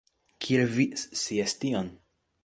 Kiel vi scias tion?